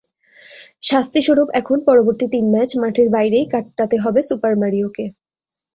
শাস্তিস্বরূপ এখন পরবর্তী তিন ম্যাচ মাঠের বাইরেই কাটাতে হবে সুপার মারিওকে।